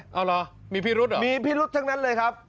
เอาเหรอมีพิรุธเหรอมีพิรุษทั้งนั้นเลยครับ